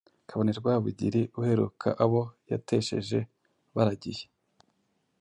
Kabone Rwabugili uheruka Abo yatesheje baragiye